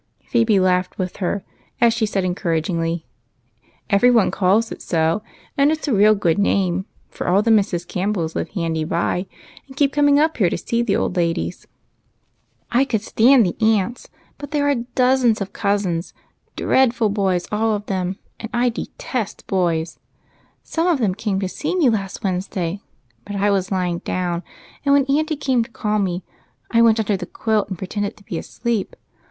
Phebe laughed with her as she said encouragingly, —" Every one calls it so, and it 's a real good name, for all the Mrs. Campbells live handy by, and keep coming up to see the old ladies." " I could stand the aunts, but there are dozens of cousins, dreadful boys all of them, and I detest boys ! Some of them came to see me last Wednesday, but I 8 EIGHT COUSINS. was lying down, and when auntie came to call rae I went under the quilt and pretended to be asleep.